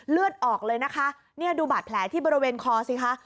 เลือดออกเลยนะคะเนี่ยดูบาดแผลที่บริเวณคอสิคะ